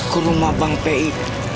ke rumah bank pi